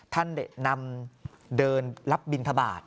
ท่านนำเดินรับบินทบาท